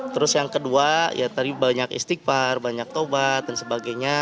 terus yang kedua ya tadi banyak istighfar banyak taubat dan sebagainya